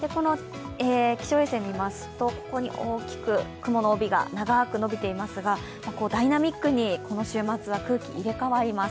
気象衛星を見ますと、ここに大きく雲の帯が長く伸びていますがダイナミックにこの週末は空気が入れ代わります。